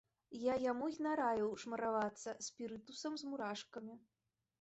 Я яму і нараіў шмаравацца спірытусам з мурашкамі.